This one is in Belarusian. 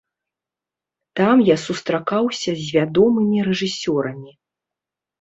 Там я сустракаўся з вядомымі рэжысёрамі.